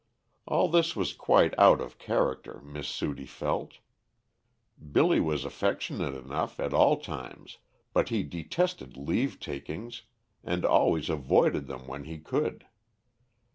All this was quite out of character, Miss Sudie felt. Billy was affectionate enough, at all times, but he detested leave takings, and always avoided them when he could.